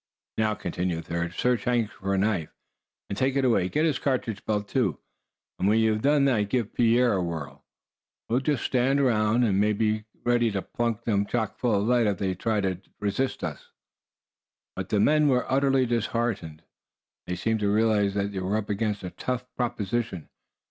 "Now," continued Thad, "search Hank for a knife, and take it away. Get his cartridge belt too; and when you've done that, give Pierre a whirl. We'll just stand around, and be ready to plunk them chock full of lead if they try to resist." But the men were utterly disheartened. They seemed to realize that they were up against a tough proposition.